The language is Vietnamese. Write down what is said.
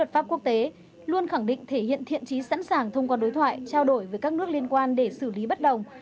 luật pháp quốc tế luôn khẳng định thể hiện thiện trí sẵn sàng thông qua đối thoại trao đổi với các nước liên quan để xử lý bất đồng